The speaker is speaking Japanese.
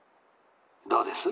「どうです？